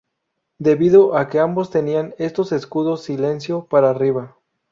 Debido a que ambos tenían estos escudos silencio para arriba.